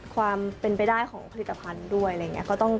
ความเป็นไปได้ของผลิตภัณฑ์ด้วยอะไรอย่างนี้